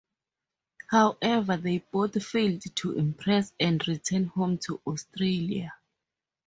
However, they both failed to impress and returned home to Australia.